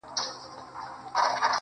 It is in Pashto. o ماته خوښي راكوي.